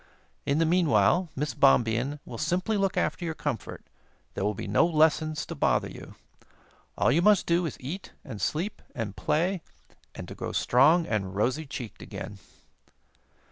In the meanwhile, Miss Bombien will simply look after your comfort; there will be no lessons to bother you. All you must do is eat and sleep and play, and to grow strong and rosy cheeked again."